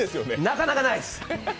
なかなかないです。